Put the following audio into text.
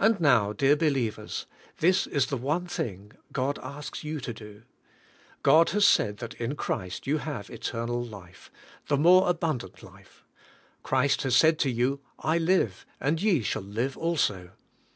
And now, detir belitjvers, this is the one thing God asks you to do: God has said that in Christ you have eternal life, the more abundant life; Christ has said to you, "I live, and ye shall live also."